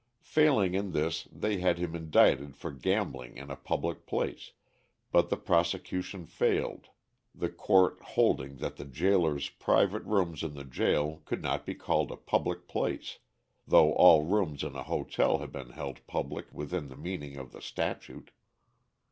Failing in this they had him indicted for gambling in a public place, but the prosecution failed, the court holding that the jailor's private rooms in the jail could not be called a public place, though all rooms in a hotel had been held public within the meaning of the statute.